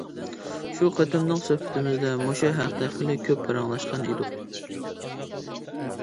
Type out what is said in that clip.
شۇ قېتىملىق سۆھبىتىمىزدە مۇشۇ ھەقتە خېلى كۆپ پاراڭلاشقان ئىدۇق.